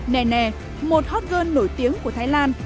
nè một hot girl nổi tiếng của thái lan